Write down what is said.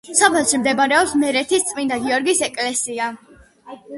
სოფელში მდებარეობს მერეთის წმინდა გიორგის ეკლესია.